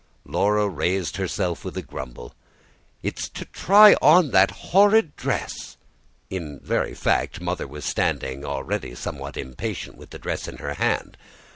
Laura raised herself with a grumble. "It's to try on that horrid dress." In very fact Mother was standing, already somewhat impatient, with the dress in her hand.